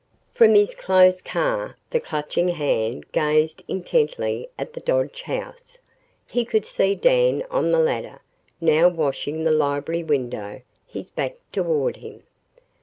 ........ From his closed car, the Clutching Hand gazed intently at the Dodge house. He could see Dan on the ladder, now washing the library window, his back toward him.